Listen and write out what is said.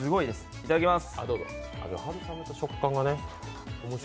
いただきまーす。